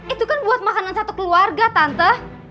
itu kan buat makanan satu keluarga tante